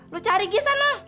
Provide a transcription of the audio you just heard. lu cari gih sana